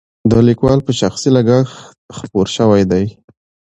د لیکوال په شخصي لګښت خپور شوی دی.